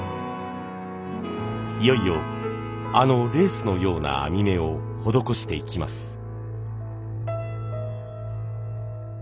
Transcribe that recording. いよいよあのレースのような網目を施していきます。